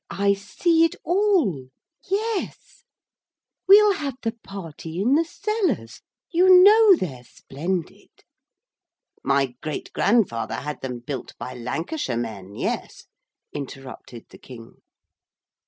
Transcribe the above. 'I see it all yes we'll have the party in the cellars you know they're splendid.' 'My great grandfather had them built by Lancashire men, yes,' interrupted the King.